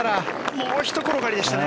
もうひと転がりでしたね。